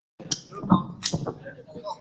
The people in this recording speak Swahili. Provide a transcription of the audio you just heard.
wanatumia sauti sahihi kutoka kwa hadhira wao